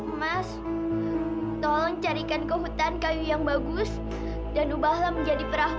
emas tolong carikan ke hutan kayu yang bagus dan ubahlah menjadi perahu